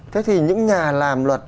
thế thì những nhà làm luật